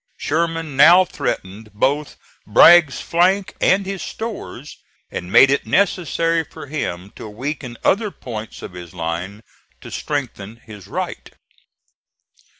Sherman now threatened both Bragg's flank and his stores, and made it necessary for him to weaken other points of his line to strengthen his right.